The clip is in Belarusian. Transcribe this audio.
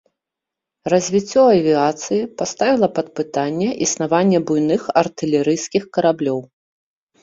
Развіццё авіяцыі паставіла пад пытанне існаванне буйных артылерыйскіх караблёў.